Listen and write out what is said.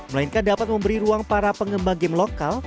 melainkan dapat memberi ruang para pengembang game lokal